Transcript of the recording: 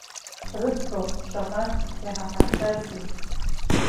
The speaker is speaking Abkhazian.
Рыӡбахә шаҟантә иҳаҳахьази!